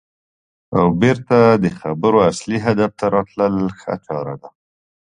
او بېرته د خبرو اصلي هدف ته راتلل ښه چاره ده.